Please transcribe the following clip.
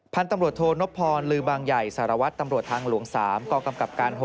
พันธุ์ตำรวจโทนพรลือบางใหญ่สารวัตรตำรวจทางหลวง๓กองกำกับการ๖